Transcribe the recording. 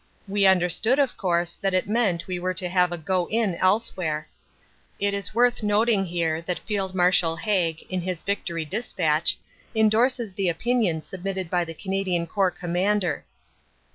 We understood of course that it meant we were to have a go in elsewhere. It is worth noting here that Field Marshal Haig in his "Victory Dispatch" endorses the opinion submitted by the Canadian Corps Commander.